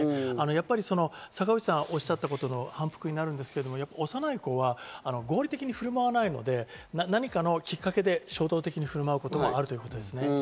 やっぱり坂口さんがおっしゃったことの反復になるんですけど、幼い子は合理的に振る舞わないので、何かのキッカケで衝動的に振る舞うことがあるということですね。